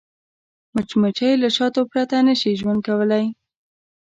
مچمچۍ له شاتو پرته نه شي ژوند کولی